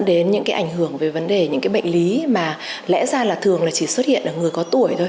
đến những cái ảnh hưởng về vấn đề những cái bệnh lý mà lẽ ra là thường là chỉ xuất hiện ở người có tuổi thôi